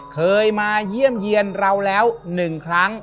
เคยมาเยี่ยมเยี่ยนเราแล้ว๑ครั้ง